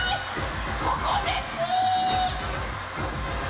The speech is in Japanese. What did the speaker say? ここです！